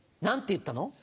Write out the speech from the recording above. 何て言ったの？